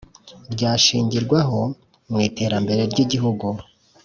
ryashingirwaho mu iterambere ry'iguhugu.